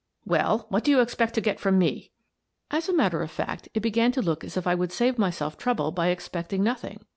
" Well, what do you expect to get from me?" As a matter of fact, it began to look as if I would save myself trouble by expecting nothing.